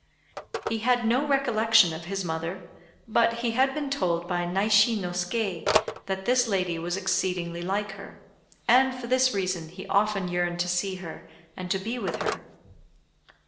He had no recollection of his mother, but he had been told by Naishi no Ske that this lady was exceedingly like her; and for this reason he often yearned to see her and to be with her.